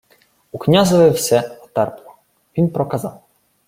У князеві все отерпло. Він проказав: